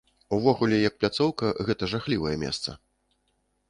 Увогуле як пляцоўка гэта жахлівае месца!